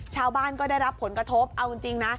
ชาวบ้านก็ได้รับผลกระทบเอาจริงนะ